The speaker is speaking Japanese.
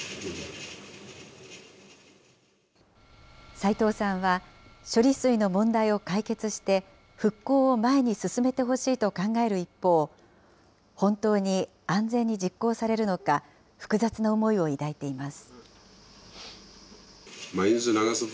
齊藤さんは、処理水の問題を解決して、復興を前に進めてほしいと考える一方、本当に安全に実行されるのか、複雑な思いを抱いています。